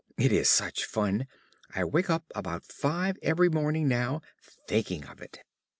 It is such fun; I wake up about five every morning now, thinking of it.